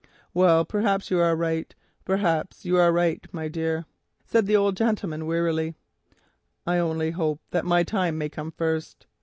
"Well, perhaps you are right, perhaps you are right, my dear," said the old Squire wearily. "I only hope that my time may come first.